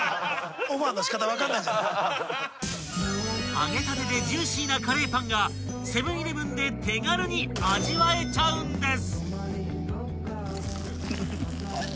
［揚げたてでジューシーなカレーパンがセブン−イレブンで手軽に味わえちゃうんです］